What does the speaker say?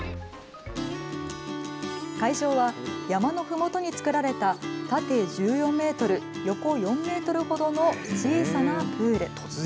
会場は山のふもとに作られた縦１４メートル、横４メートルほどの小さなプール。